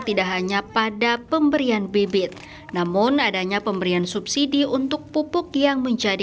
tidak hanya pada pemberian bibit namun adanya pemberian subsidi untuk pupuk yang menjadi